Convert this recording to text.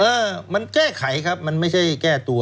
เออมันแก้ไขครับมันไม่ใช่แก้ตัว